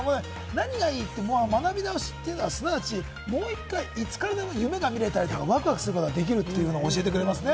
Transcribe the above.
何がいいって、学び直しっていうのは、すなわち、もう一回いつからでも夢が見れたりワクワクすることができるというのを教えてくれますね。